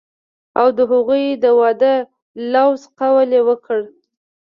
او د هغوي د وادۀ لوظ قول يې وکړۀ